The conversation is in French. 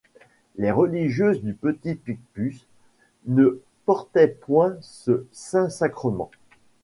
Les religieuses du Petit-Picpus ne portaient point ce Saint-Sacrement.